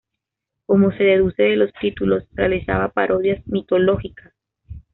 Como se deduce de los títulos, realizaba parodias mitológicas.